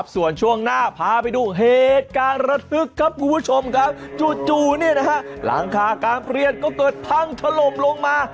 ส่วนช่วงหน้าพาไปดูเหตุการณ์ระทึกครับคุณผู้ชมครับจู่หลังคาการเปลี่ยนก็เกิดพังถล่มลงมา